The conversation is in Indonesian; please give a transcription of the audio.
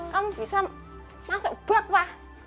kamu bisa masuk bot pak